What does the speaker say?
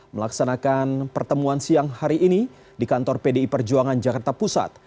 melaksanakan pertemuan siang hari ini di kantor pdi perjuangan jakarta pusat